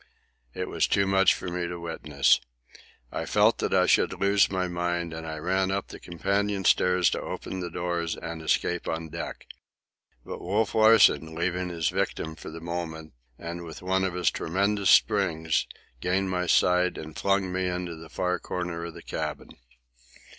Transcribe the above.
It was too much for me to witness. I felt that I should lose my mind, and I ran up the companion stairs to open the doors and escape on deck. But Wolf Larsen, leaving his victim for the moment, and with one of his tremendous springs, gained my side and flung me into the far corner of the cabin.